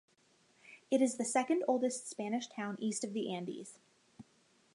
It is the second oldest Spanish town east of the Andes.